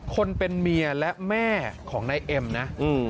คนเป็นเมียและแม่ของนายเอ็มนะ